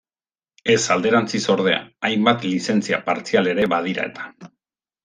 Ez alderantziz ordea, hainbat lizentzia partzial ere badira eta.